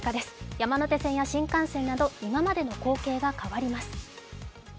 山手線や新幹線など、今までの光景が変わります。